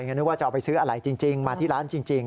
ก็นึกว่าจะเอาไปซื้ออะไรจริงมาที่ร้านจริง